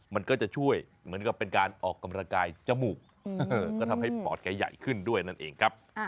มันก็จะช่วยเหมือนกับเป็นการออกกำลังกายจมูกก็ทำให้ปอดแกใหญ่ขึ้นด้วยนั่นเองครับ